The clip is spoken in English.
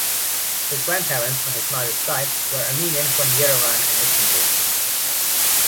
His grandparents on his mother’s side were Armenian from Yerevan and Istanbul.